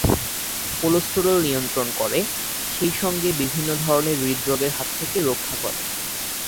Cholesterol নিয়ন্ত্রণ করে, সেই সঙ্গে বিভিন্ন ধরনের হৃদরোগের হাত থেকে রক্ষা করে।